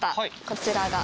こちらが。